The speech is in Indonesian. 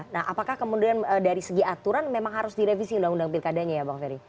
nah apakah kemudian dari segi aturan memang harus direvisi undang undang pilkadanya ya bang ferry